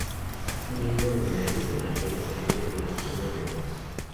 Fue miembro numerario de la Real Academia de las Buenas Letras.